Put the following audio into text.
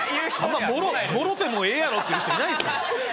「もろうてもええやろ」って言う人いないですよ。